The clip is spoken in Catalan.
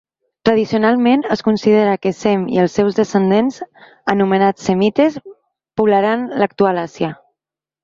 Tradicionalment es considera que Sem i els seus descendents, anomenats semites, poblaren l'actual Àsia.